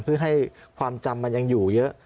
เพื่อให้ความจำมันยังอยู่เยอะ